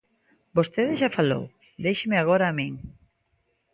Vostede xa falou, déixeme agora a min.